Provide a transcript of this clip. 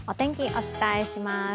お伝えします。